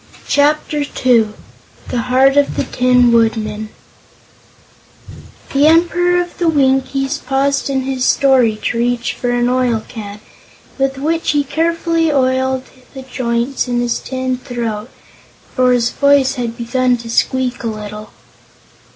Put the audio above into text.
Chapter Two The Heart of the Tin Woodman The Emperor of the Winkies paused in his story to reach for an oil can, with which he carefully oiled the joints in his tin throat, for his voice had begun to squeak a little.